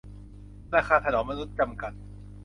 ธนาคารถนอมมนุษย์ จำกัด